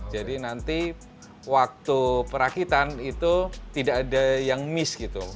jadi nanti waktu perakitan itu tidak ada yang miss gitu